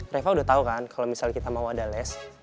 reva udah tau kan kalau misalnya kita mau ada les